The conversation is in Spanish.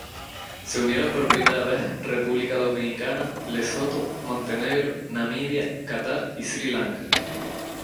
Se unieron por primera vez República Dominicana, Lesoto, Montenegro, Namibia, Qatar y Sri Lanka.